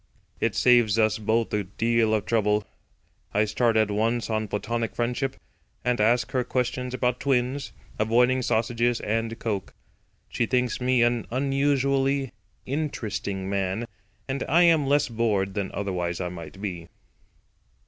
It saves us both a deal of trouble. I start at once on platonic friendship, and ask her questions about twins, avoiding sausages and coke. She thinks me an unusually interesting man, and I am less bored than otherwise I might be.